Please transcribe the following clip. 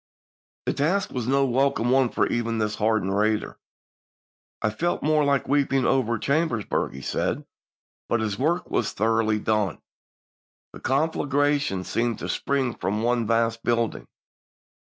The task was no welcome one for even this hard ened raider. "I felt more like weeping over Chambersburg," he says, but his work was thor oughly done. " The conflagration seemed to spring from one vast building.